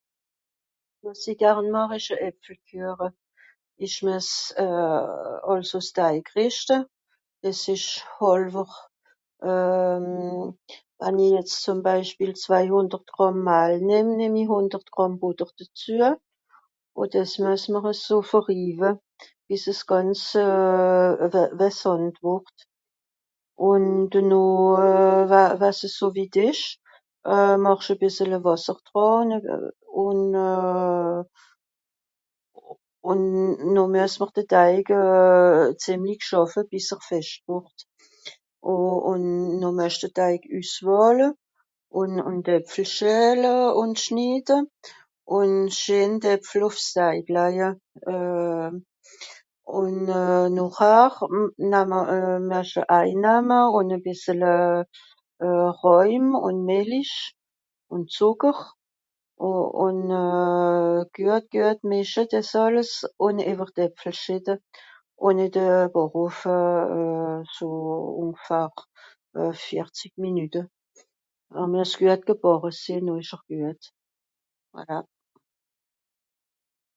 Wàs ìch garn màch ìsch e Èpfelküeche. Ìch mües euh àlso s'Teig rìschte. Es ìsch hàlwer euh wann i jetz zùm Beispiel zwei hùndert Gràmm Mahl nemme, nemm i hùndert Gràmm Bùtter dezüe. Ùn dìs mües mr eso verriwe. bìs es gànz euh... we... wìe Sànd wùrd. Ùn dennoh, wa... wa s so witt ìsch euh màchsch e bìssele Wàsser dràn ùn euh ùn noh mües mr de Teig euh zìemlig schàffe bìs er fescht wùrd. Ù... ùn noh müesch de Teig üsswàle ùn... ùn d'Èpfel schèle ùn schide ùn scheen d'Èpfel ùff s'Teig laje. Euh... ùn euh nochhar namme euh muesch e Ei namme ùn e bìssele euh... Ràim ùn Mìllich, ùn Zùcker. Ù... ùn euh güet güet mìsche dìs àlles ùn ìwer d'Èpfel schìtte. Ùn ì de Bàchhoffe euh so ùngfahr euh vierzig Minüte. Er Mües güet gebàche sìnn noh ìsch'r güet.